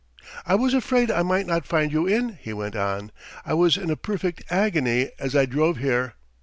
"I was afraid I might not find you in," he went on. "I was in a perfect agony as I drove here.